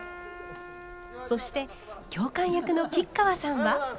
そして教官役の吉川さんは。